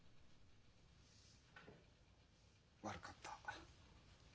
悪かった。